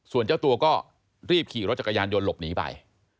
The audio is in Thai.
ส่วนเจ้าตัวก็รีบขี่รถจักรยานยนต์หลบหนีไป